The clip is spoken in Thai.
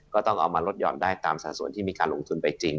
ก็ต้องเอามาลดหย่อนได้ตามสัดส่วนที่มีการลงทุนไปจริง